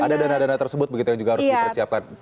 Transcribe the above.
ada dana dana tersebut begitu yang juga harus dipersiapkan